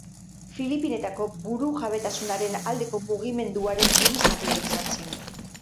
Filipinetako burujabetasunaren aldeko mugimenduaren buruzagia izan zen.